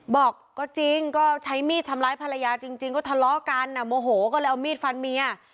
บอกก็จริงก็ใช้มีดทำร้ายภรรยาจริงก็ทะเลาะกันโมโหก็เลยเอามีดฟันเมีย